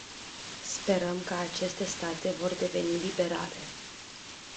Sperăm că aceste state vor deveni liberale.